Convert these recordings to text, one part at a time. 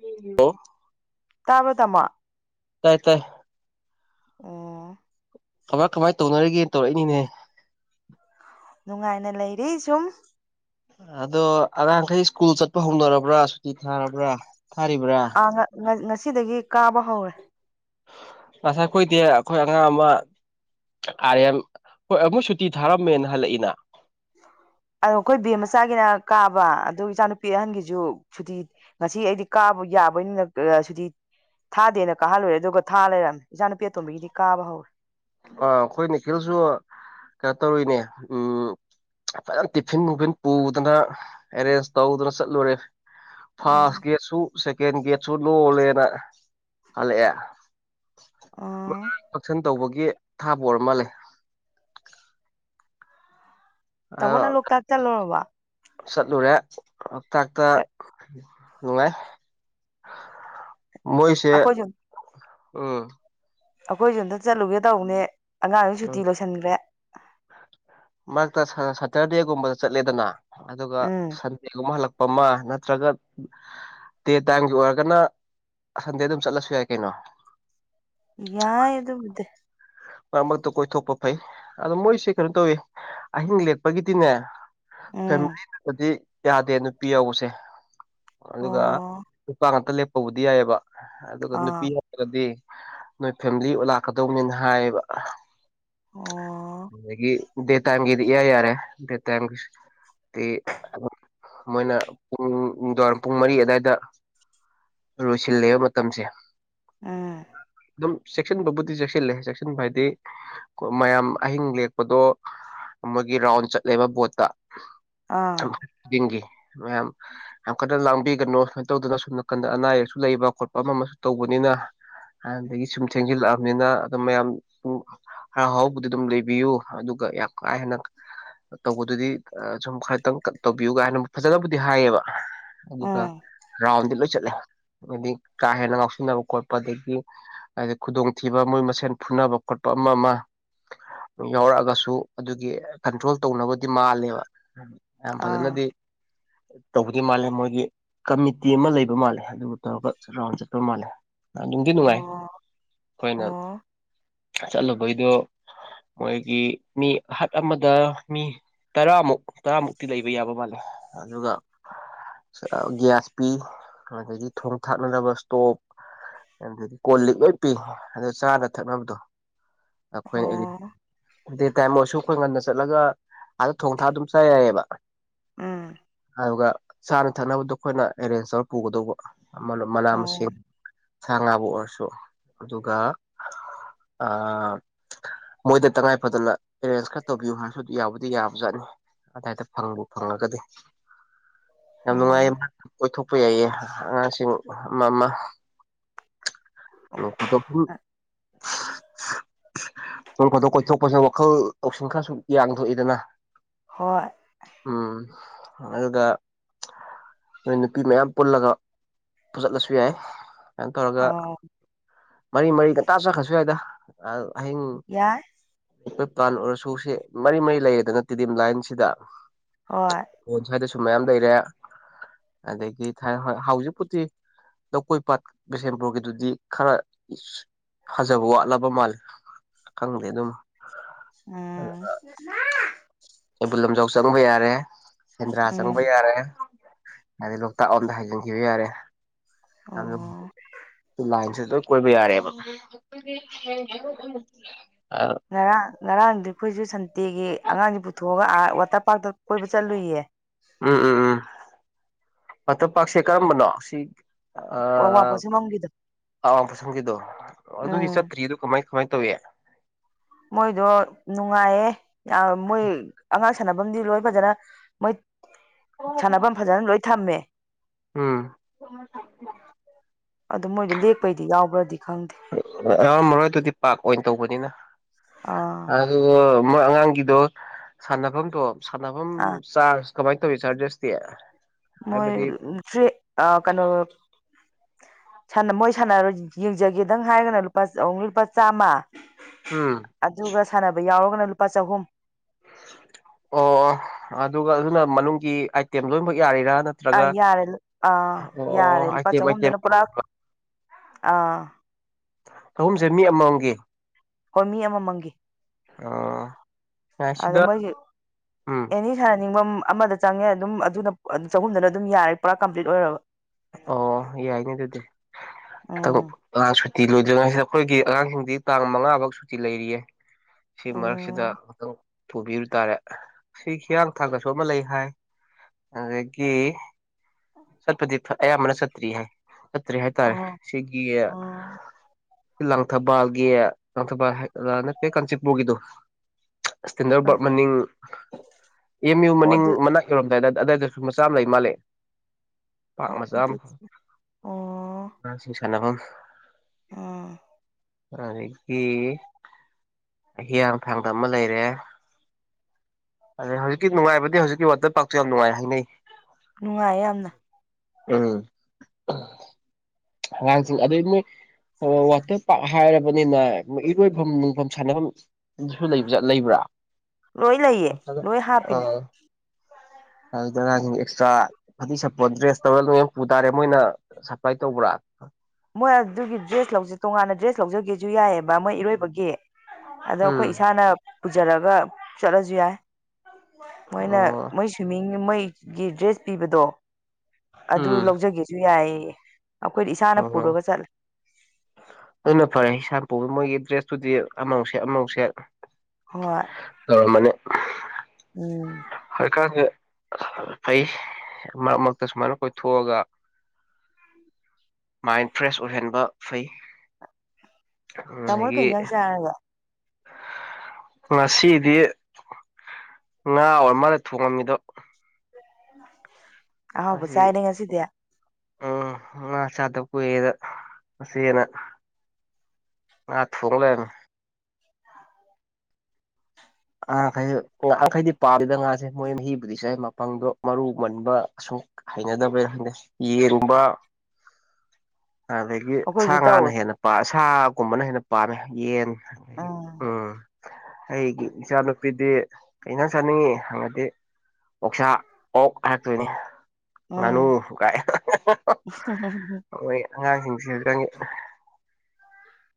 hello ꯇꯥꯕ ꯇꯃ ꯇꯥꯏ ꯇꯥꯏ ꯑ ꯀꯃꯥꯏ ꯀꯃꯥꯏꯅ ꯇꯧꯅꯔꯤꯒꯦ ꯇꯧꯔꯛꯏꯅꯤꯅꯦ ꯅꯨꯡꯉꯥꯏꯅ ꯂꯩꯔꯤ ꯁꯨꯝ ꯑꯗꯣ ꯑꯉꯥꯡꯈꯩ ꯁ꯭ꯀꯨꯜ ꯆꯠꯄ ꯍꯧꯅꯔꯕ꯭ꯔꯥ ꯁꯨꯇꯤ ꯊꯥꯔꯕ꯭ꯔꯥ ꯊꯥꯔꯤꯕ꯭ꯔꯥ ꯉꯁꯤꯗꯒꯤ ꯀꯥꯕ ꯍꯧꯔꯦ ꯉꯁꯥꯏ ꯑꯩꯈꯣꯏꯗꯤ ꯑꯩꯈꯣꯏ ꯑꯉꯥꯡ ꯑꯥꯔ ꯑꯦꯝ ꯍꯣꯏ ꯑꯃꯨꯛ ꯁꯨꯇꯤ ꯊꯥꯔꯝꯃꯦꯅ ꯍꯜꯂꯛꯏꯅ ꯑꯗꯣ ꯑꯩꯈꯣꯏ ꯕꯦꯝ ꯃꯆꯥꯒꯤꯅ ꯀꯥꯕ ꯑꯗꯨ ꯏꯆꯥꯅꯨꯄꯤ ꯑꯍꯟꯒꯤꯁꯨ ꯐꯨꯇꯤ ꯉꯁꯤ ꯑꯩꯗꯤ ꯀꯥꯕ ꯌꯥꯕꯅꯤꯅ ꯁꯗꯤ ꯊꯥꯗꯦꯅ ꯀꯥꯍꯜꯂꯨꯔꯦ ꯑꯗꯨꯒ ꯊꯥ ꯂꯩꯔꯝꯃꯦ ꯏꯆꯥ ꯅꯨꯄꯤꯦ ꯑꯇꯣꯝꯕꯒꯤꯗꯤ ꯀꯥꯕ ꯍꯧꯔꯦ ꯑꯥ ꯑꯩꯈꯣꯏ ꯅꯤꯈꯤꯜꯁꯨ ꯀꯩꯅꯣ ꯇꯧꯔꯤꯔꯤꯅꯦ ꯎꯝ ꯐꯖꯅ ꯇꯤꯐꯤꯟ ꯋꯨꯐꯤꯟ ꯄꯨꯗꯅ ꯑꯦꯔꯦꯟꯖ ꯇꯧꯗꯨꯅ ꯆꯠꯂꯨꯔꯦ ꯐꯥꯔꯁ ꯎꯝ ꯒꯦꯠꯁꯨ ꯁꯦꯀꯦꯟ ꯒꯦꯠꯁꯨ ꯂꯣꯜꯂꯦꯅ ꯍꯜꯂꯛꯑꯦ ꯃꯥꯡ ꯑꯣ ꯐꯪꯁꯟ ꯇꯧꯕꯒꯤ ꯊꯥꯕ ꯑꯣꯏꯔ ꯃꯥꯜꯂꯦ ꯇꯥꯃꯅ ꯂꯣꯛ ꯀꯥꯛꯇ ꯂꯔꯕ ꯆꯠꯂꯨꯔꯦ ꯂꯣꯛꯇꯥꯛꯇ ꯅꯨꯡꯉꯥꯏ ꯃꯣꯏꯁꯦ ꯑꯩꯈꯣꯏꯁꯨ ꯎꯝ ꯑꯩꯈꯣꯏꯁꯨ ꯑꯝꯇ ꯆꯠꯂꯨꯒꯦ ꯇꯧꯕꯅꯦ ꯑꯉꯥꯡꯁꯨ ꯎꯝ ꯁꯨꯇꯤ ꯂꯣꯏꯁꯟꯈ꯭ꯔꯦ ꯃꯔꯛꯇ ꯁꯇꯔꯗꯦꯒꯨꯝꯕꯗ ꯆꯠꯂꯦꯗꯅ ꯑꯗꯨꯒ ꯎꯝ ꯁꯟꯗꯦꯒꯨꯝꯕ ꯍꯜꯂꯛꯄ ꯃ ꯅꯠꯇ꯭ꯔꯒ ꯇꯦ ꯇꯝꯒꯤ ꯑꯣꯏꯔꯒꯅ ꯁ ꯁꯟꯗꯦ ꯑꯗꯨꯝ ꯆꯠꯂꯁꯨ ꯌꯥꯏ ꯀꯩꯅꯣ ꯌꯥꯏ ꯏ ꯑꯗꯨꯕꯨꯗꯦ ꯃꯔꯛ ꯃꯔꯛꯇ ꯀꯣꯏꯊꯣꯛꯄ ꯐꯩ ꯑꯗꯣ ꯃꯣꯏꯁꯦ ꯀꯩꯅꯣ ꯇꯧꯋꯤ ꯑꯍꯤꯡ ꯂꯦꯛꯄꯒꯤꯗꯤꯅꯦ ꯎꯝ ꯐꯦꯃꯤꯂꯤꯠꯇꯗꯤ ꯌꯥꯗꯦ ꯅꯨꯄꯤ ꯌꯧꯕꯁꯦ ꯑꯗꯨꯒ ꯑꯣ ꯅꯨꯄꯥ ꯉꯥꯛꯇ ꯂꯦꯞꯄꯕꯨꯗꯤ ꯌꯥꯏꯑꯕ ꯑꯗꯨꯒ ꯅꯨꯄꯤ ꯑꯥ ꯍꯥꯏꯔꯒꯗꯤ ꯅꯣꯏ ꯐꯦꯃꯤꯂꯤ ꯂꯥꯛꯀꯗꯧꯅꯦꯅ ꯍꯥꯏꯌꯦꯕ ꯑꯣ ꯑꯗꯒꯤ ꯗ ꯇꯥꯏꯝꯒꯤꯗꯤ ꯏ ꯌꯥꯔꯦ ꯗ ꯇ ꯃꯣꯏꯅ ꯄꯨꯡꯋꯥꯝ ꯄꯨꯡ ꯃꯔꯤ ꯑꯗꯨꯋꯥꯏꯗ ꯂꯣꯏꯁꯤꯜꯂꯕ ꯃꯇꯝꯁꯦ ꯎꯝ ꯑꯗꯨꯝ ꯆꯦꯛꯁꯤꯟꯕꯕꯨꯗꯤ ꯆꯦꯛꯁꯤꯜꯂꯦ ꯆꯦꯛꯁꯤꯟꯕ ꯍꯥꯏꯗꯤ ꯃꯌꯥꯝ ꯑꯍꯤꯡ ꯂꯦꯛꯄꯗꯣ ꯃꯣꯏꯒꯤ ꯔꯥꯎꯟ ꯆꯠꯂꯦꯕ ꯕꯣꯠꯇ ꯑꯥ ꯈꯨꯗꯤꯡꯒꯤ ꯃꯌꯥꯝ ꯌꯥꯝ ꯀꯟꯅ ꯂꯥꯡꯕꯤꯒꯅꯨ ꯁꯨꯃꯥꯏꯅ ꯇꯧꯗꯅ ꯁꯨꯝ ꯀꯥꯟꯗ ꯑꯅꯥ ꯑꯌꯦꯛꯁꯨ ꯂꯩꯕ ꯈꯣꯠꯄ ꯑꯃ ꯑꯃꯁꯨ ꯇꯧꯕꯅꯤꯅ ꯍꯥꯏꯕꯗꯒꯤ ꯁꯨꯝ ꯊꯦꯡꯖꯤꯜꯂꯛꯑꯕꯅꯤꯅ ꯑꯗꯨꯝ ꯃꯌꯥꯝ ꯍꯔꯥꯎ ꯍꯔꯥꯎꯕꯗꯤ ꯑꯗꯨꯝ ꯂꯩꯕꯤꯌꯨ ꯑꯗꯨ ꯒꯥ ꯌꯥꯝ ꯀꯥ ꯍꯦꯟꯅꯥ ꯇꯧꯕꯗꯨꯗꯤ ꯁꯨꯝ ꯈꯔꯇꯥ ꯇꯧꯕꯤꯌꯨꯒ ꯍꯥꯏꯅ ꯐꯖꯅꯕꯨꯗꯤ ꯍꯥꯏꯌꯦꯕ ꯑꯗꯨꯒ ꯎꯝ ꯔꯥꯎꯟꯗꯤ ꯂꯣꯏ ꯆꯠꯂꯦ ꯍꯥꯏꯗꯤ ꯀꯥ ꯍꯦꯟꯅ ꯉꯥꯎꯁꯤꯟꯅꯕ ꯈꯣꯠꯄ ꯑꯗꯒꯤ ꯍꯥꯏ ꯈꯨꯗꯣꯡꯊꯤꯕ ꯃꯣꯏ ꯃꯁꯦꯟ ꯐꯨꯅꯕ ꯈꯣꯠꯄ ꯑꯃ ꯃ ꯌꯥꯎꯔꯛꯑꯒꯁꯨ ꯑꯗꯨꯒꯤ ꯀꯟꯇ꯭ꯔꯣꯜ ꯇꯧꯅꯕꯗꯤ ꯃꯥꯜꯂꯦꯕ [unintelligible] ꯌꯥꯝ ꯑꯥ ꯐꯖꯅꯗꯤ ꯇꯧꯕꯗꯤ ꯃꯥꯜꯂꯦ ꯃꯣꯏꯒꯤ ꯀꯃꯤꯇꯤ ꯑꯃ ꯂꯩꯕ ꯑꯗꯨ ꯃꯥꯜꯂꯦ ꯑꯗꯨꯕꯨ ꯇꯧꯔꯒ ꯔꯥꯎꯟ ꯆꯠꯄ ꯃꯥꯜꯂꯦ ꯅꯨꯡꯗꯤ ꯅꯨꯡꯉꯥꯏ ꯑꯣ ꯑꯩꯈꯣꯏꯅ ꯑꯣ ꯆꯠꯂꯨꯕꯩꯗꯣ ꯃꯣꯏꯒꯤ ꯃꯤ ꯍꯠ ꯑꯃꯗ ꯃꯤ ꯇꯔꯥꯃꯨꯛ ꯇꯔꯥꯃꯨꯛꯇꯤ ꯂꯩꯕ ꯌꯥꯕ ꯃꯥꯜꯂꯦ ꯑꯗꯨꯒ ꯒ꯭ꯌꯥꯁ ꯄꯤ ꯑꯗꯒꯤ ꯊꯣꯡ ꯊꯥꯛꯅꯅꯕ ꯏꯁꯇꯣꯞ ꯑꯗꯨꯗꯤ ꯀꯣ ꯂꯤꯛ ꯂꯣꯏ ꯄꯤ ꯑꯗꯨ ꯆꯥꯅ ꯊꯛꯅꯕꯗꯣ ꯑꯩꯈꯣꯏ ꯑꯣ ꯗꯦ ꯇꯥꯏꯝ ꯑꯣꯏꯔꯁꯨ ꯑꯩꯈꯣꯏ ꯉꯟꯅ ꯆꯠꯂꯒ ꯑꯥꯗ ꯊꯣꯡ ꯊꯥ ꯑꯗꯨꯝ ꯆꯥ ꯌꯥꯏꯌꯦꯕ ꯎꯝ ꯑꯗꯨꯒ ꯆꯥꯅ ꯊꯛꯅꯕꯗꯣ ꯑꯩꯈꯣꯏꯅ ꯑꯦꯔꯦꯟꯖ ꯇꯧꯔ ꯄꯨꯒꯗꯧꯕ ꯑꯃꯅ ꯃꯅꯥ ꯑꯣ ꯃꯁꯤꯡ ꯁꯥ ꯉꯥꯕꯨ ꯑꯣꯏꯔꯁꯨ ꯑꯗꯨꯒ ꯃꯣꯏꯗ ꯇꯉꯥꯏ ꯐꯗꯅ ꯑꯦꯔꯦꯟꯖ ꯈꯔ ꯇꯧꯕꯤꯌꯨ ꯍꯥꯏꯔꯁꯨ ꯑꯗꯨ ꯌꯥꯕꯗꯤ ꯌꯥꯕꯖꯥꯠꯅꯤ ꯑꯗꯥꯏꯗ ꯐꯪꯕ ꯐꯪꯂꯒꯗꯤ ꯌꯥꯝ ꯅꯨꯡꯉꯥꯏꯌꯦ ꯑꯣ ꯀꯣꯏꯊꯣꯛꯄ ꯌꯥꯏꯌꯦ ꯑꯉꯥꯡꯁꯤꯡ ꯑꯃ ꯑꯃ ꯑꯣ ꯑꯗꯒꯤ ꯁꯨꯝ ꯈꯣꯠꯇꯣꯛ ꯀꯣꯏꯊꯣꯛꯄꯁꯤꯅ ꯋꯥꯈꯜ ꯂꯧꯁꯤꯡ ꯈꯔ ꯁꯨꯝ ꯌꯥꯡꯊꯣꯛꯏꯗꯅ ꯍꯣꯏ ꯑꯗꯨꯅ ꯅꯣꯏꯅ ꯅꯨꯄꯤ ꯃꯌꯥꯝ ꯄꯨꯜꯂꯒ ꯄꯨꯜꯂꯁꯨ ꯌꯥꯏ ꯑꯗꯨꯃꯥꯏꯅ ꯇꯧꯔꯒ ꯑꯥꯎ ꯃꯔꯤ ꯃꯔꯤ ꯉꯟꯇꯥ ꯆꯠꯈ꯭ꯔꯁꯨ ꯌꯥꯏꯗ ꯑꯍꯤꯡ ꯌꯥꯏ ꯑꯩꯈꯣꯏ ꯄ꯭ꯂꯥꯟ ꯑꯣꯏꯔꯁꯨ ꯁꯤ ꯃꯔꯤ ꯃꯔꯤ ꯂꯩꯌꯦꯗꯅ ꯇꯤꯗꯤꯝ ꯂꯥꯏꯟꯁꯤꯗ ꯍꯣꯏ ꯁ꯭ꯋꯥꯏꯗ ꯁꯨꯝ ꯃꯌꯥꯝ ꯂꯩꯔꯦ ꯑꯗꯒꯤ ꯍ ꯍꯧꯖꯤꯛꯄꯨꯗꯤ ꯂꯧꯀꯣꯏ ꯄꯥꯠ ꯕꯤꯁꯦꯝꯄꯨꯔꯒꯤꯗꯨꯗꯤ ꯈꯔ ꯐꯖꯕ ꯋꯥꯠꯂꯕ ꯃꯥꯜꯂꯦ ꯈꯪꯗꯦ ꯑꯗꯨꯝ ꯎꯝ ꯀꯩꯕꯨꯜ ꯂꯝꯖꯥꯎ ꯆꯪꯕ ꯌꯥꯔꯦ ꯁꯦꯐ, ꯟꯗ꯭ꯔꯥ ꯎꯝ ꯆꯪꯕ ꯌꯥꯔꯦ ꯍꯥꯏꯗꯤ ꯂꯣꯛꯇꯥꯛ ꯂꯣꯝꯗ ꯍꯥꯏꯖꯤꯟꯈꯤꯕ ꯌꯥꯔꯦ ꯌꯥꯝ ꯑꯣ ꯂꯥꯏꯟꯁꯦ ꯀꯣꯏꯕ ꯌꯥꯔꯦꯕ ꯑ ꯉꯔꯥꯡ ꯉꯔꯥꯡꯗꯤ ꯑꯩꯈꯣꯏꯁꯨ ꯁꯟꯗꯦꯒꯤ ꯑꯉꯥꯡꯁꯦ ꯄꯨꯊꯣꯛꯑꯒ ꯑꯥ ꯋꯥꯇꯔ ꯄꯥꯔꯛꯇ ꯀꯣꯏꯕ ꯆꯠꯂꯨꯏꯌꯦ ꯎꯝ ꯎꯝ ꯎꯝ ꯋꯥꯇꯔ ꯄꯥꯛꯁꯦ ꯀꯔꯝꯕꯅꯣ ꯁꯤ ꯑ ꯑꯋꯥꯡꯄꯣꯠꯁꯤꯃꯝꯒꯤꯗꯣ ꯑꯋꯥꯡ ꯄꯣꯠꯁꯪꯕꯝꯒꯤꯗꯣ ꯑꯗꯨꯗꯤ ꯎꯝ ꯆꯠꯇ꯭ꯔꯤꯌꯦ ꯀꯃꯥꯏꯅ ꯀꯃꯥꯏꯅ ꯇꯧꯏ ꯃꯣꯏꯗꯣ ꯅꯨꯡꯉꯥꯏꯌꯦ ꯌꯥꯝ ꯃꯣꯏ ꯑꯉꯥꯡ ꯁꯥꯟꯅꯐꯝꯗꯤ ꯂꯣꯏ ꯐꯖꯅ ꯃꯣꯏ ꯁꯥꯟꯅꯐꯝ ꯐꯖꯅ ꯂꯣꯏ ꯊꯝꯃꯦ ꯎꯝ ꯑꯗꯨ ꯃꯣꯏꯗꯣ ꯂꯦꯛꯄꯩꯗꯤ ꯌꯥꯎꯕ꯭ꯔꯗꯤ ꯈꯪꯗꯦ ꯌꯥꯔꯝꯃꯔꯣꯏ ꯑꯗꯨꯗꯤ ꯄꯥꯔꯛ ꯑꯣꯏꯅ ꯇꯧꯕꯅꯤꯅ ꯑꯥ ꯑꯗꯣ ꯃꯣꯏ ꯑꯉꯥꯡꯒꯤꯗꯣ ꯁꯥꯟꯅꯐꯝꯗꯣ ꯁꯥꯟꯅꯐꯝ ꯑꯥ ꯆꯥꯔꯖ ꯀꯃꯥꯏꯅ ꯇꯧꯋꯦ ꯆꯥꯔꯖꯦꯁꯇꯤ ꯃꯣꯏ ꯍꯥꯏꯕꯗꯤ ꯀꯩꯅꯣ ꯁꯅ ꯃꯣꯏ ꯁꯥꯟꯅꯔꯣꯏ ꯌꯦꯡꯖꯒꯦꯗꯪ ꯍꯥꯏꯔꯒꯅ ꯂꯨꯄꯥ ꯑꯣꯡꯂꯤ ꯂꯨꯄꯥ ꯆꯥꯝꯃ ꯎꯝ ꯑꯗꯨꯒ ꯁꯥꯟꯅꯕ ꯌꯥꯎꯔꯒꯅ ꯂꯨꯄꯥ ꯆꯍꯨꯝ ꯑꯣ ꯑꯣ ꯑꯗꯨꯒ ꯑꯗꯨꯅ ꯃꯅꯨꯡꯒꯤ ꯑꯥꯏꯇꯦꯝ ꯂꯣꯏꯅꯃꯛ ꯌꯥ ꯑꯥ ꯌꯥꯔꯦ ꯑꯥ ꯑꯣ ꯌꯥꯔꯦ ꯂꯨꯄꯥ ꯑꯥꯏꯇꯦꯝ ꯑꯥꯏꯇꯦꯝ ꯆꯍꯨꯝꯗꯅ ꯄꯨꯔꯥ ꯑꯥ ꯑꯍꯨꯝꯁ ꯃꯤ ꯑꯃꯃꯝꯒꯤ ꯍꯣꯏ ꯃꯤ ꯑꯃꯃꯪꯒꯤ ꯑꯣ ꯑꯗ ꯉꯥꯏꯁꯤꯗ ꯃꯣꯏꯁꯤ ꯎꯝ ꯑꯦꯅꯤ ꯁꯥꯟꯅꯅꯤꯡꯕ ꯑꯃꯗ ꯆꯪꯉꯦ ꯑꯗꯨꯝ ꯑꯗꯨꯅ ꯆꯍꯨꯝꯗꯅ ꯑꯗꯨꯝ ꯌꯥꯔꯦ ꯄꯨꯔꯥ ꯀꯝꯄ꯭ꯂꯤꯠ ꯑꯣꯏꯔꯕ ꯑꯣ ꯌꯥꯏꯅꯦ ꯑꯗꯨꯗꯤ ꯎꯝ ꯂ ꯁꯨꯇꯤ ꯂꯣꯏꯗ꯭ꯔꯤꯉꯩꯗ ꯑꯩꯈꯣꯏꯒꯤ ꯑꯉꯥꯡꯁꯤꯡꯗꯤ ꯇꯥꯡ ꯃꯉꯥꯐꯥꯎ ꯁꯨꯇꯤ ꯂꯩꯔꯤꯌꯦ ꯁꯤ ꯃꯔꯛꯁꯤꯗ ꯑꯣ ꯊꯨꯕꯤꯔꯨ ꯇꯥꯔꯦ ꯁꯤ ꯍꯤꯌꯥꯡ ꯊꯥꯡꯇꯁꯨ ꯑꯃ ꯂꯩ ꯍꯥꯏ ꯑꯗꯥꯒꯤ ꯑꯌꯥꯝꯕꯅ ꯆꯠꯇ꯭ꯔꯤ ꯍꯥꯏ ꯆꯠꯇ꯭ꯔꯤ ꯍꯥꯏꯇꯥꯔꯦ ꯑꯣ ꯁꯤꯒꯤ ꯑꯣ ꯂꯥꯡꯊꯕꯥꯜꯒꯤ ꯂꯥꯡꯊꯕꯥꯜ ꯅꯠꯇꯦ ꯀꯥꯟꯆꯤꯄꯨꯔꯒꯤꯗꯣ ꯏꯁ꯭ꯇꯦꯟꯗꯔꯠ ꯕ ꯐꯔꯦ ꯃꯅꯤꯡ ꯑ ꯑꯦꯝ ꯌꯨ ꯑꯣ ꯃꯅꯤꯡ ꯑꯗꯨ ꯃꯅꯥꯛ ꯌꯧꯔꯝꯗꯥꯏꯗ ꯑꯗꯏꯗꯁꯨ ꯃꯆꯥ ꯑꯃ ꯂꯩ ꯃꯥꯜꯂꯦ ꯄꯥꯛ ꯑꯣ ꯃꯆꯥ ꯑꯗꯨ ꯑꯃ ꯉꯥꯡꯁꯤꯡ ꯁꯥꯟꯅꯐꯝ ꯑꯥ ꯑꯗꯒꯤ ꯍꯤꯌꯥꯡꯊꯥꯡꯗ ꯑꯃ ꯂꯩꯔꯦ ꯑꯗ ꯍꯧꯖꯤꯛꯀꯤ ꯅꯨꯡꯉꯥꯏꯕꯗꯤ ꯍꯧꯖꯤꯛꯀꯤ ꯋꯥꯇꯔ ꯄꯥꯔꯛꯁꯨ ꯌꯥꯝ ꯅꯨꯡꯉꯥꯏ ꯍꯥꯏꯅꯩ ꯅꯨꯡꯉꯥꯏ ꯌꯥꯝꯅ ꯎꯝ ꯑꯉꯥꯡꯁꯤꯡ ꯑꯗꯨꯗꯩ ꯑꯣ ꯋꯥꯇꯔ ꯄꯥꯔꯛ ꯍꯥꯏꯔꯕꯅꯤꯅ ꯏꯔꯣꯏꯐꯝ ꯅꯨꯡꯐꯝ ꯁꯥꯟꯅꯐꯝꯁꯨ ꯂꯩꯕ꯭ꯔꯥ ꯂꯣꯏ ꯂꯩꯌꯦ ꯂꯣꯏ ꯑꯥ ꯍꯥꯞꯄꯤꯅꯦ ꯑꯥ ꯑꯗꯨꯗꯁꯤꯡ ꯑꯦꯛꯁꯇ꯭ꯔꯥ ꯐꯗꯤ ꯁꯄꯣ ꯗ꯭ꯔꯦꯁ ꯇꯧꯔꯒ ꯂꯣꯏ ꯄꯨ ꯇꯥꯔꯦ ꯃꯣꯏꯅ ꯁꯄ꯭ꯂꯥꯏ ꯇꯧꯕ꯭ꯔꯥ ꯃꯣꯏ ꯑꯗꯨꯒꯤ ꯗ꯭ꯔꯦꯁ ꯂꯧ ꯇꯣꯉꯥꯟꯅ ꯗ꯭ꯔꯦꯁ ꯂꯧꯖꯒꯦꯁꯨ ꯌꯥꯏꯑꯕ ꯃꯣꯏ ꯏꯔꯣꯏꯕꯒꯤ ꯑꯗꯣ ꯎꯝ ꯑꯩꯈꯣꯏ ꯏꯁꯥꯅ ꯄꯨꯖꯔꯒ ꯆꯠꯂꯁꯨ ꯌꯥꯏ ꯃꯣꯏꯅ ꯑꯣ ꯃꯣꯏ ꯁ꯭ꯋꯤꯃꯤꯡ ꯃꯣꯏꯒꯤ ꯗ꯭ꯔꯦꯁ ꯄꯤꯕꯗꯣ ꯑꯗꯨ ꯎꯝ ꯂꯧꯖꯒꯦꯁꯨ ꯌꯥꯏꯌꯦ ꯑꯩꯈꯣꯏꯗꯤ ꯏꯁꯥꯅ ꯑꯣ ꯍꯣ ꯄꯨꯔꯒ ꯆꯠꯂꯦ ꯑꯗꯨꯅ ꯐꯔꯦ ꯏꯁꯥꯝꯄ ꯃꯣꯏꯒꯤꯗ꯭ꯔꯦꯁ ꯑꯗꯨꯨꯗꯤ ꯑꯃꯧꯁꯦ ꯑꯃꯧꯁꯦ ꯍꯣꯏ ꯎꯝ ꯍꯥꯏꯖꯤꯀꯥꯟꯗꯦ ꯐꯩ ꯃꯔꯛ ꯃꯔꯛꯇ ꯁꯨꯃꯥꯏꯅ ꯀꯣꯏꯊꯣꯛꯑꯒ ꯃꯥꯏꯟ ꯐ꯭ꯔꯦꯁ ꯑꯣꯏꯍꯟꯕ ꯐꯩ ꯇꯃ ꯑꯗꯒꯤ ꯀꯩ ꯆꯥꯔꯒ ꯉꯁꯤꯗꯤ ꯉꯥ ꯑꯣꯔ ꯃꯥꯗ ꯊꯣꯡꯉꯝꯃꯤꯗꯣ ꯑ ꯍꯕ ꯑꯁꯤ ꯆꯥꯏꯅꯦꯉꯁꯤꯗꯌꯥ ꯎꯝ ꯉꯥ ꯆꯥꯗꯕ ꯀꯨꯏꯦꯗ ꯑꯁꯤꯦꯅ ꯑ ꯊꯣꯛꯂ ꯑꯈꯩ ꯉꯥꯈꯩꯗꯤ ꯄꯥꯕꯤꯗ ꯉꯥꯁꯦ ꯃꯣꯏꯅ ꯍꯤꯕꯨꯗꯤ ꯆꯥꯏ ꯃꯄꯪꯗꯣ ꯃꯔꯨ ꯃꯟꯕ ꯍꯩꯅꯗꯕꯩꯔ ꯈꯪꯗꯦ ꯌꯦꯔꯨꯝꯕ ꯑꯗꯒꯤ ꯁꯥ ꯑꯩꯈꯣꯏꯁꯨ ꯉꯥꯅ ꯇꯧꯋꯦ ꯍꯦꯟꯅ ꯄꯥ ꯁꯥꯒꯨꯝꯕꯅ ꯍꯦꯟꯅ ꯄꯥꯝꯃꯦ ꯌꯦꯟ ꯎꯝ ꯎ ꯑꯩꯒꯤ ꯏꯆꯥꯅꯨꯄꯤꯗꯤ ꯀꯩꯅꯩꯅ ꯆꯥꯅꯤꯡꯉꯤ ꯍꯪꯉꯗꯤ ꯑꯣꯛꯁꯥ ꯑꯣꯛ ꯍꯥꯛꯇꯣꯏꯅꯦ ꯉꯥꯅꯨ ꯎꯝ ꯀꯥꯏꯑꯦ ꯑꯩꯈꯣꯏ ꯑꯉꯥꯡꯁꯤꯡꯁꯤꯛꯇꯪ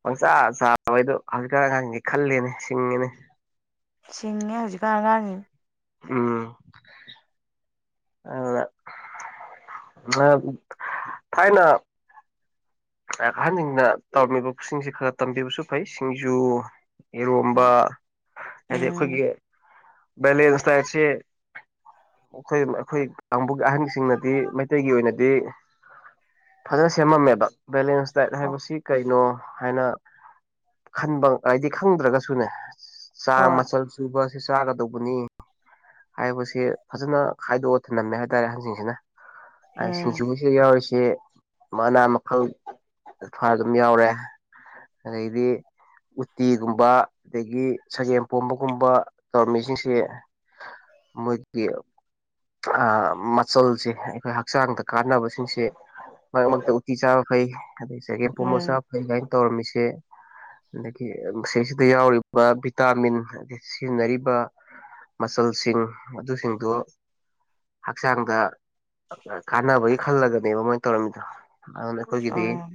ꯄꯪꯆꯥ ꯆꯥꯕꯩꯗꯣ ꯍꯧꯖꯤꯛꯀꯔꯗꯤ ꯈꯜꯂꯤꯅꯦ ꯁꯤꯡꯉꯤꯅꯦ ꯁꯤꯡꯉꯦ ꯍꯧꯖꯤꯛꯀꯥꯟ ꯑꯉꯥꯡꯁꯤ ꯎꯝ ꯑꯗ ꯑ ꯊꯥꯏꯅ ꯑꯍꯟꯁꯤꯡꯅ ꯇꯧꯔꯝꯃꯤꯕꯁꯤꯡꯁꯤ ꯈꯔ ꯇꯝꯕꯤꯕꯁꯨ ꯐꯩ ꯁꯤꯡꯖꯨ ꯏꯔꯣꯝꯕ ꯍꯥꯏꯗꯤ ꯎꯝ ꯑꯩꯈꯣꯏꯒꯤ ꯕꯦꯂꯦꯟꯁ ꯗꯥꯏꯠꯁꯤꯦ ꯑꯩꯈꯣꯏ ꯑꯩꯈꯣꯏ ꯀꯥꯡꯕꯨꯒꯤ ꯑꯍꯟꯁꯤꯡꯅꯗꯤ ꯃꯩꯇꯩꯒꯤ ꯑꯣꯏꯅꯗꯤ ꯐꯖꯅ ꯁꯦꯝꯃꯝꯃꯦꯕ ꯕꯦꯂꯦꯟꯁ ꯗꯥꯏꯠ ꯑꯣ ꯍꯥꯏꯕꯁꯤ ꯀꯩꯅꯣ ꯍꯥꯏꯅ ꯈꯟꯕ ꯍꯥꯏꯗꯤ ꯈꯪꯗ꯭ꯔꯒꯁꯨꯅꯦ ꯆꯥꯛ ꯍꯣꯏ ꯃꯆꯜ ꯁꯨꯕ ꯁꯦ ꯆꯥꯒꯗꯧꯕꯅꯤ ꯍꯥꯏꯕꯁ ꯐꯖꯅ ꯈꯥꯏꯗꯣꯛꯑ ꯊꯤꯟꯂꯝꯝꯃꯦ ꯍꯥꯏꯇꯥꯔꯦ ꯑꯍꯟꯁꯤꯡꯁꯤꯅ ꯑꯩ ꯎꯝ ꯁꯤꯡꯖꯨꯁꯤꯗ ꯌꯥꯎꯔꯤꯁꯦ ꯃꯅꯥ ꯃꯈꯜ ꯊ ꯑꯗꯨꯝ ꯌꯥꯎꯔꯦ ꯑꯗꯩꯗꯤ ꯎꯠꯇꯤꯒꯨꯝꯕ ꯑꯗꯒꯤ ꯁꯒꯦꯝ ꯄꯣꯝꯕꯒꯨꯝꯕ ꯇꯧꯔꯝꯃꯤꯁꯤꯡꯁꯦ ꯃ [inaudible] [unintelligible] ꯃꯆꯜꯁꯦ ꯑꯩꯈꯣꯏ ꯍꯛꯆꯥꯡꯗ ꯀꯥꯟꯅꯕꯁꯤꯡꯁꯦ ꯃꯔꯛ ꯃꯔꯛꯇ ꯎꯇꯤ ꯆꯥꯕ ꯐꯩ ꯑꯗꯩ ꯆꯒꯦꯄꯣ ꯃꯣꯆꯥ ꯎꯝ ꯐꯩ ꯀꯥꯏꯅ ꯇꯧꯔꯝꯃꯤꯁꯦ ꯑꯗꯒꯤ ꯃꯁꯤꯁꯤꯗ ꯌꯥꯎꯔꯤꯕ ꯚꯤꯇꯥꯃꯤꯟ ꯑ ꯁꯤꯖꯤꯟꯅꯔꯤꯕ ꯃꯆꯜꯁꯤꯡ ꯑꯗꯨꯁꯤꯡꯗꯨ ꯍꯛꯆꯥꯡꯗ ꯀꯥꯟꯅꯕꯒꯤ ꯈꯜꯂꯒꯅꯦꯕ ꯃꯣꯏꯅ ꯇꯧꯔꯝꯃꯤꯗꯣ ꯍ ꯎꯝ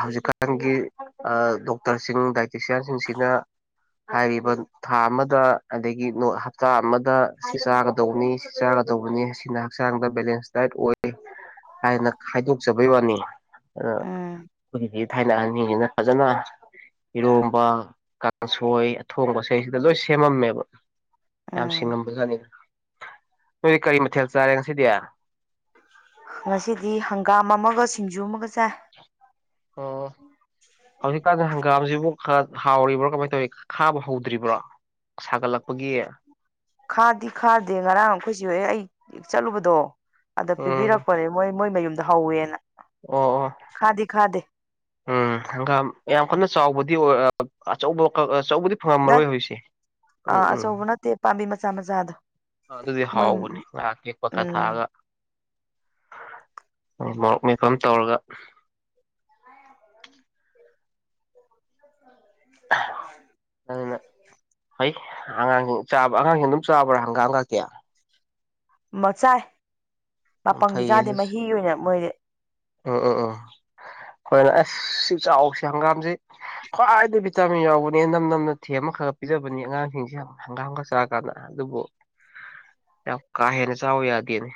ꯍꯧꯖꯤꯛ ꯃꯊꯪꯒꯤ ꯗꯣꯛꯇꯔꯁꯤꯡ ꯗꯥꯏꯇꯤꯁꯤꯌꯥꯟꯁꯤꯡꯁꯤꯅ ꯍꯥꯏꯔꯤꯕ ꯊꯥ ꯑꯃꯗ ꯑꯗꯒꯤ ꯍꯞꯇꯥ ꯑꯃꯗ ꯁꯤ ꯆꯥꯒꯗꯧꯕꯅꯤ ꯇꯧꯕꯅꯤ ꯁꯤꯅ ꯍꯛꯆꯥꯡꯗ ꯕꯦꯂꯦꯟꯁ ꯗꯥꯏꯠ ꯑꯣꯏ ꯍꯥꯏꯅ ꯈꯥꯏꯗꯣꯛꯆꯕꯩ ꯋꯥꯅꯤ ꯎꯝ ꯑ ꯊꯥꯏꯅ ꯑꯅꯤꯁꯤꯅ ꯐꯖꯅ ꯏꯔꯣꯝꯕ ꯀꯥꯡꯁꯣꯏ ꯑꯊꯣꯡꯕꯁꯁꯤꯗ ꯂꯣꯏ ꯁꯦꯝꯃꯝꯃꯦꯕ ꯌꯥꯝ ꯎꯝ ꯁꯤꯡꯉꯝꯕꯖꯠꯅꯤꯅ ꯅꯣꯏꯗꯤ ꯀꯔꯤ ꯃꯊꯦꯜ ꯆꯥꯔꯦ ꯉꯁꯤꯗꯤ ꯉꯁꯤꯗꯤ ꯍꯪꯒꯥꯝ ꯑꯃꯒ ꯁꯤꯡꯖꯨ ꯑꯃꯒ ꯆꯥꯏ ꯑꯣ ꯍꯧꯖꯤꯛꯀꯥꯟꯗ ꯍꯪꯒꯥꯝꯁꯤꯕꯨ ꯍꯥꯎꯔꯤꯕ꯭ꯔꯣ ꯀꯃꯥꯏꯅ ꯇꯧꯋꯤ ꯈꯥꯕ ꯍꯧꯗ꯭ꯔꯤꯕ꯭ꯔꯣ ꯁꯥꯒꯠꯂꯛꯄꯒꯤ ꯈꯥꯗꯤ ꯈꯥꯗꯦ ꯉꯔꯥꯡ ꯑꯩꯈꯣꯏꯁꯤ ꯍꯍꯦ ꯑꯩ ꯆꯠꯂꯨꯕꯗꯣ ꯑꯗ ꯎꯝ ꯄꯤꯕꯤꯔꯛꯄꯅꯦ ꯃꯣꯏ ꯃꯣꯏ ꯃꯌꯨꯝꯗ ꯍꯧꯋꯦꯅ ꯑꯣ ꯑꯣ ꯈꯥꯗꯤ ꯈꯥꯗꯦ ꯎꯝ ꯍꯪꯒꯥ ꯌꯥꯝ ꯑꯩꯈꯣꯏꯅ ꯆꯥꯎꯕꯗꯤ ꯑꯣꯏ ꯑꯆꯧꯕ ꯑꯆꯧꯕꯗꯤ ꯅꯠ ꯐꯪꯉꯝꯃꯔꯣꯏ ꯍꯧꯖꯤꯁꯦ ꯎꯝ ꯎꯝ ꯁꯖꯗ [inaudible] ꯑꯗꯨꯗꯤ ꯍꯥꯎꯕꯅꯦ ꯉꯥꯛꯀꯦꯛ ꯄꯀꯥ ꯊꯥꯛꯑꯒ ꯎꯝ ꯃꯣꯔꯣꯛ ꯃꯤꯐꯝ ꯇꯧꯔꯒ [unintelligible] [inaudible] ꯑꯗꯨꯅ ꯍꯣꯏ ꯑꯉꯥꯡꯁꯤꯡ ꯆꯥꯕ ꯑꯉꯥꯡꯁꯤꯡ ꯑꯗꯨꯝ ꯆꯥꯕ꯭ꯔꯥ ꯍꯪꯒꯥ ꯍꯪ ꯀꯇꯦ ꯆꯥꯏ ꯃꯄꯪꯗꯤ ꯐꯩꯌꯦ ꯆꯥꯗꯦ ꯑꯗꯨꯁꯨ ꯃꯍꯤ ꯑꯣꯏꯅ ꯃꯣꯏꯗꯤ ꯎꯝ ꯎꯝ ꯎꯝ ꯍꯣꯏꯅ ꯑꯁ ꯁꯤ ꯆꯥꯎꯁꯤ ꯍꯪꯒꯥꯝꯁꯤ ꯈ꯭ꯋꯥꯏꯗꯒꯤ ꯚꯤꯇꯥꯃꯤꯟ ꯌꯥꯎꯕꯅꯦ ꯅꯝ ꯅꯝꯅ ꯊꯦꯝ ꯑꯃ ꯈꯔ ꯈ ꯄꯤꯖꯕꯅꯤ ꯑꯉꯥꯡꯁꯤꯡꯁꯤꯦ ꯌꯥꯝ ꯍꯪꯒꯥ ꯍꯪꯒꯥ ꯆꯥꯔ ꯀꯥꯟꯗ ꯑꯗꯨꯕꯨ [unintelligible] [inaudible] ꯌꯥꯝ ꯀꯥ ꯍꯦꯟꯅ ꯆꯥꯎꯕ ꯌꯥꯗꯦꯅꯦ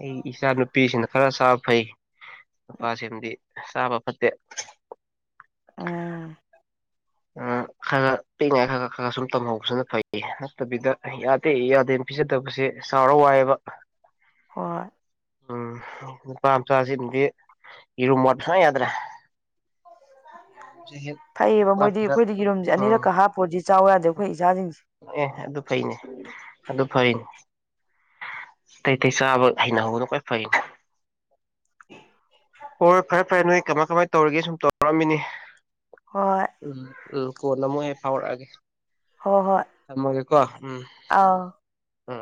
ꯑꯩ ꯏꯆꯥ ꯅꯨꯨꯄꯤꯁꯤꯅ ꯈꯔ ꯆꯥꯕ ꯐꯩ ꯅꯨꯄꯥ ꯁꯦꯝꯗꯤ ꯆꯥꯕ ꯐꯠꯇꯦ ꯑ [inaudible] ꯑ [inaudible] ꯈꯔ ꯄꯤꯛꯉꯥꯏ ꯈꯔ ꯈ ꯈꯔ ꯁꯨꯝ ꯇꯝꯍꯧꯕꯁꯨꯅ ꯐꯩꯌꯦ ꯅꯠꯇꯕꯤꯗ ꯌꯥꯗꯦ ꯌꯥꯗꯦꯅ ꯄꯤꯖꯗꯕꯁꯦ ꯆꯥꯎꯔ ꯋꯥꯏꯕ ꯍꯣꯏ ꯎꯝ ꯅꯨꯄꯥ ꯃꯆꯥꯁꯤ ꯅꯨꯗꯤ ꯏꯔꯨ ꯃꯣꯠ ꯁ ꯌꯥꯗ꯭ꯔꯦ ꯌꯦꯔꯨꯝꯁꯦ ꯍꯦꯛ ꯐꯩꯌꯦꯕ ꯃꯣꯏꯗꯤ ꯋꯥꯠꯄꯗ ꯑꯩꯈꯣꯏꯗꯤ ꯌꯦꯔꯨꯝꯁꯦ ꯎꯝ ꯑꯅꯤꯔꯛꯀ ꯍꯥꯞꯄꯣꯗꯤ ꯑꯦ ꯑꯗꯨ ꯐꯩꯅꯦ ꯑꯗꯨ ꯐꯩꯅꯦ ꯑꯇꯩꯇꯩ ꯆꯥꯕ ꯍꯩꯅꯍꯧꯕꯅ ꯀ꯭ꯋꯥꯏ ꯐꯩꯅꯦ ꯍꯣꯏ ꯍꯣꯏ ꯐꯔꯦ ꯐꯔꯦ ꯅꯣꯏ ꯀꯃꯥꯏ ꯀꯃꯥꯏꯅ ꯇꯧꯔꯤꯒꯦ ꯁꯨꯝ ꯇꯧꯔꯛꯑꯝꯃꯤꯅꯤ ꯍꯣꯏ ꯎꯝ ꯎꯝ ꯀꯣꯟꯅ ꯑꯃꯣꯏꯛ ꯍꯦꯛ ꯐꯥꯎꯔꯛꯑꯒꯦ ꯍꯣꯏ ꯍꯣꯏ ꯊꯝꯃꯒꯦꯀꯣ ꯎꯝ ꯑꯥꯎ ꯑ